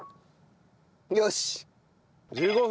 よし！